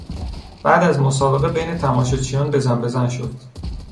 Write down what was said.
بعد از مسابقه بین تماشاچیان بزنبزن شد.